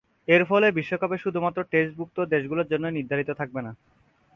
এরফলে বিশ্বকাপে শুধুমাত্র টেস্টভূক্ত দেশগুলোর জন্যই নির্ধারিত থাকবে না।